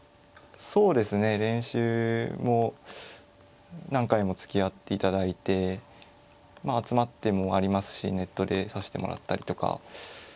そうですね練習も何回もつきあっていただいてまあ集まってもありますしネットで指してもらったりとか。